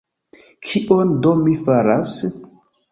Kion do mi faras?